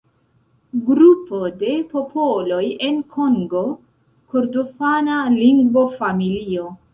Grupo de popoloj en Kongo-Kordofana lingvofamilio.